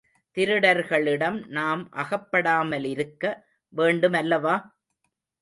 திருடர்களிடம் நாம் அகப்படாமலிருக்க வேண்டுமல்லவா?